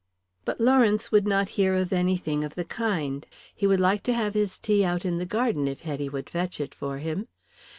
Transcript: But Lawrence would not hear of anything of the kind. He would like to have his tea out in the garden if Hetty would fetch it for him.